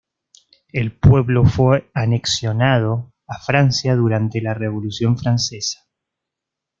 El pueblo fue anexionado a Francia durante la Revolución Francesa.